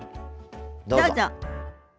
どうぞ。